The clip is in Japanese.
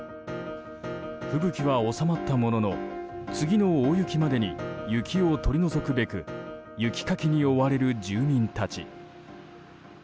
吹雪は収まったものの次の大雪までに雪を取り除くべく雪かきに追われる住民たち。